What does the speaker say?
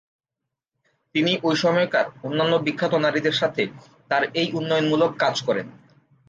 তিনি ঐ সময়কার অন্যান্য বিখ্যাত নারীদের সাথে তার এই উন্নয়নমূলক কাজ করেন।